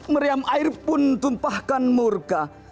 meriam air pun tumpahkan murka